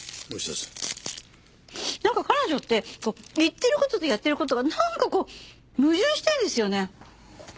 なんか彼女って言ってる事とやってる事がなんかこう矛盾してるんですよね。